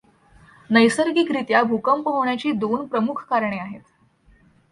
नैसर्गिक रीत्या भूकंप होण्याची दोन प्रमुख कारणे आहेत.